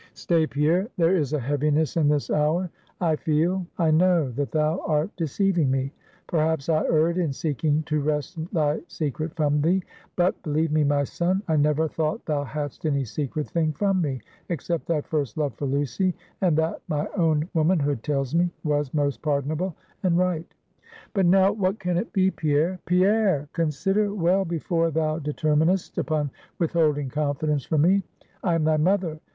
'Stay, Pierre! There is a heaviness in this hour. I feel, I know, that thou art deceiving me; perhaps I erred in seeking to wrest thy secret from thee; but believe me, my son, I never thought thou hadst any secret thing from me, except thy first love for Lucy and that, my own womanhood tells me, was most pardonable and right. But now, what can it be? Pierre, Pierre! consider well before thou determinest upon withholding confidence from me. I am thy mother.